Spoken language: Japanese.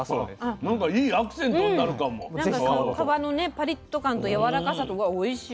パリッと感とやわらかさとがおいしい。